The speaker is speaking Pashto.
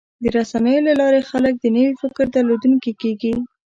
د رسنیو له لارې خلک د نوي فکر درلودونکي کېږي.